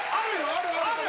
あるある。